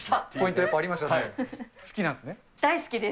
好きなんですね？